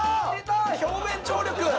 表面張力